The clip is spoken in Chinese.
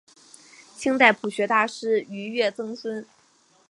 清代朴学大师俞樾曾孙。